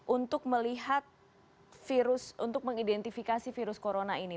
untuk melihat virus untuk mengidentifikasi virus corona ini